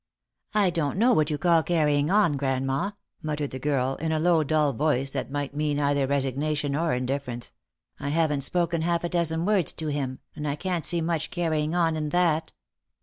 " I dor.'t know what you call carrying on, grandma," mut tered the girl, in a low dull voice that might mean either resig nation or indifference ;" I haven't spoke half a dozen words to him, and I can't see much carrying on in that."